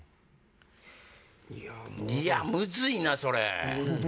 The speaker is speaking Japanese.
いやムズいなそれ。